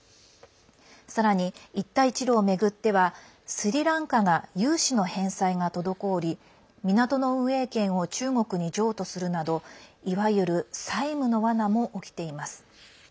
さらに、一帯一路を巡ってはスリランカが融資の返済が滞り港の運営権を中国に譲渡するなどいわゆる債務のわなも起きています。